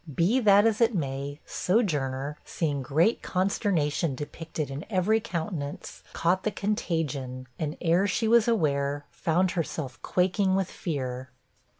Be that as it may, Sojourner, seeing great consternation depicted in every countenance, caught the contagion, and, ere she was aware, found herself quaking with fear.